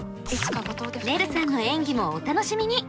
ねるさんの演技もお楽しみに！